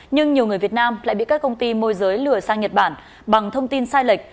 nhưng nhiều người việt nam lại bị các công ty môi giới lừa sang nhật bản bằng thông tin sai lệch